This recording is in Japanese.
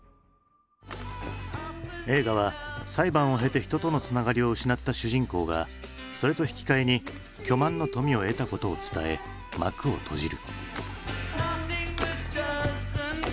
映画は裁判を経て人とのつながりを失った主人公がそれと引き換えに巨万の富を得たことを伝え幕を閉じる。